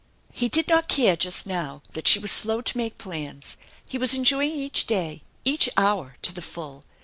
He did not care just now that she was slow to make plans. fie was enjoying each day, each hour, to the full.